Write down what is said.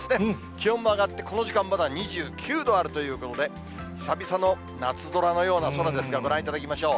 気温も上がって、この時間まだ２９度あるということで、久々の夏空のような空ですが、ご覧いただきましょう。